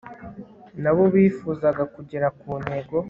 na bo bifuzaga kugera ku ntego